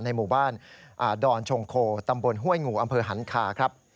หมู่บ้านดอนชงโคตำบลห้วยงูอำเภอหันคาครับ